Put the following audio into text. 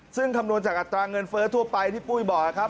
ซึ่งคำนวณจากอัตราเงินเฟ้อทั่วไปที่ปุ้ยบอกครับ